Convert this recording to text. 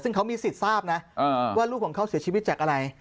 ซึ่งเขามีสิทธิ์ทราบนะว่าลูกของเขาเสียชีวิตจากอะไร